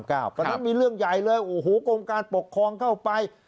เพราะฉะนั้นมีเรื่องใหญ่เลยโอ้โหกรมการปกครองเข้าไป